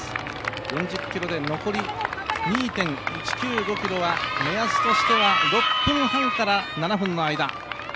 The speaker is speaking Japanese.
４０ｋｍで残り２．１９５ｋｍが目安としては６分半から７分の間。